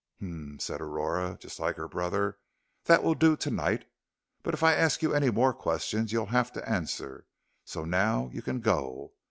"Hum," said Aurora, just like her brother, "that will do to night; but if I ask any more questions you'll have to answer, so now you can go.